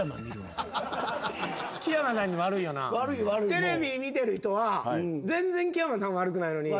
テレビ見てる人は。